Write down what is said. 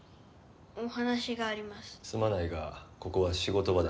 すまないがここは仕事場だ。